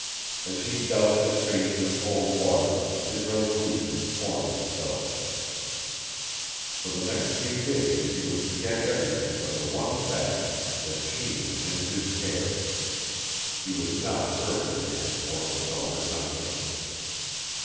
As he doused his face in the cold water his resolutions formed themselves. For the next few days he would forget everything but the one fact that Jeanne was in his care; he would not hurt her again or compel her confidence.